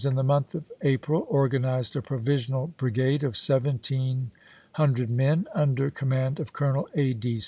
in the month of April organised a provisional bri isea. gade of 1700 men, under command of Colonel A. D.